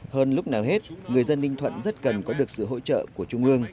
hơn lúc nào hết người dân ninh thuận rất cần có được sự hỗ trợ của trung ương